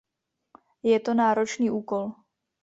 Je to náročný úkol!